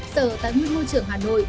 sở tài nguyên và môi trường tp hà nội